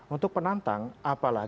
untuk penantang apalagi